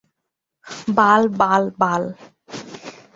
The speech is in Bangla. বাল বাল বাল।